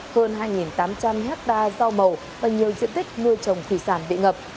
hơn hai tám trăm linh hectare rau màu và nhiều diện tích ngươi trồng khủy sản bị ngập